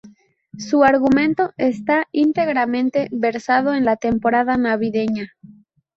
Su argumento está íntegramente versado en la temporada navideña.